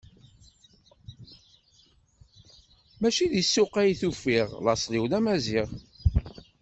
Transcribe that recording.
Mačči di ssuq ay t-ufiɣ, laṣel-iw d amaziɣ.